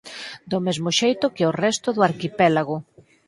Do mesmo xeito que o resto do arquipélago.